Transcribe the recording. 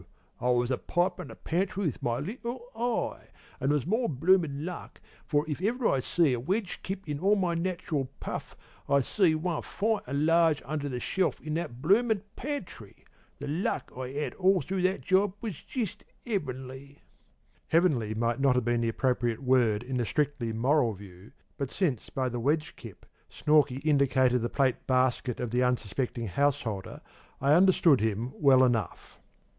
I was a pipin' the pantry with my little eye, and there was more bloomin' luck; for if ever I see a wedge kip in all my nach'ral puff, I see one fine an' large under the shelf in that bloomin' pantry! The luck I 'ad all through that job was jist 'eavenly.' "'Heavenly might not have been the appropriate word in the strictly moral view, but since by the 'wedge kip' Snorkey indicated the plate basket of the unsuspecting householder, I understood him well enough.